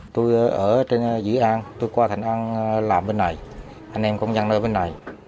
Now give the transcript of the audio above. tôi ở trên dưới an tôi qua thành an làm bên này anh em công nhân ở bên này